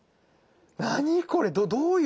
何これどういう？